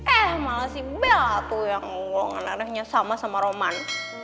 eh malah si bella tuh yang golongan darahnya sama sama roman